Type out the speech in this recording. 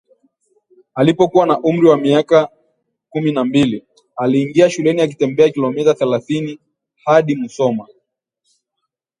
Alipokuwa na umri wa miaka kumi na mbili aliingia shule akitembea kilomita thelathini hadi Musoma